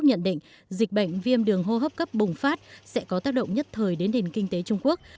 nhận định dịch bệnh viêm đường hô hấp cấp bùng phát sẽ có tác động nhất thời đến nền kinh tế trung quốc